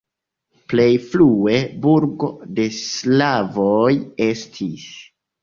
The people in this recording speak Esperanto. Plej frue burgo de slavoj estis.